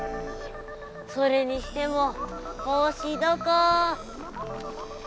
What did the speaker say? それにしてもぼうしどこ？